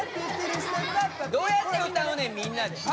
どうやって歌うねんみんなで。